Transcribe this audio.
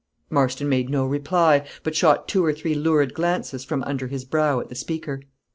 Marston made no reply, but shot two or three lurid glances from under his brow at the speaker.